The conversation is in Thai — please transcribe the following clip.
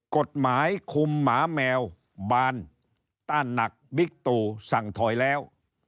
กฎหมายคุมหมาแมวบานต้านหนักบิ๊กตู่สั่งถอยแล้ว